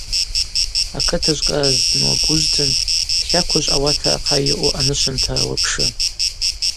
Акытыжв кӏаразын уагузтын, хӏхаквыжв ауатра ахъа йаъу анышвынтара уапшы.